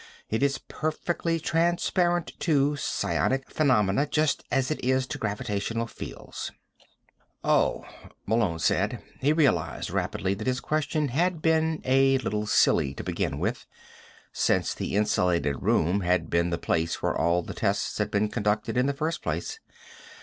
It is perfectly transparent to psionic phenomena, just as it is to gravitational fields." "Oh," Malone said. He realized rapidly that his question had been a little silly to begin with, since the insulated room had been the place where all the tests had been conducted in the first place.